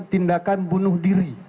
tindakan bunuh diri